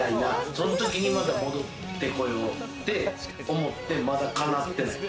そのときに、また戻ってこようって思って、まだ叶ってない。